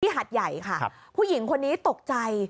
หัดใหญ่ค่ะผู้หญิงคนนี้ตกใจ